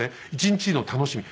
１日の楽しみ。